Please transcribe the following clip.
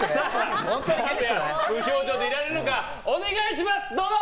無表情でいられるかお願いします、どうぞ！